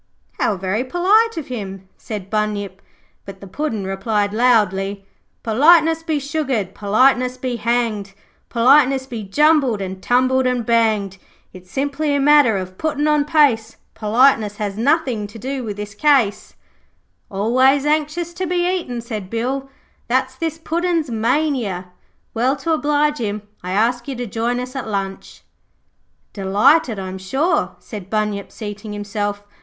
'How very polite of him,' said Bunyip, but the Puddin' replied loudly 'Politeness be sugared, politeness be hanged, Politeness be jumbled and tumbled and banged. It's simply a matter of putting on pace, Politeness has nothing to do with the case.' 'Always anxious to be eaten,' said Bill, 'that's this Puddin's mania. Well, to oblige him, I ask you to join us at lunch.' 'Delighted, I'm sure,' said Bunyip, seating himself.